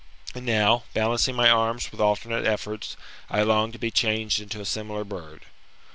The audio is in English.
And now, balancing my arms with alternate efforts, I longed to be changed into a similar bird.